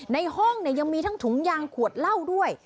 ในห้องเนี่ยยังมีทั้งถุงยางขวดเหล้าด้วย